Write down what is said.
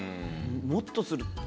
もっとする。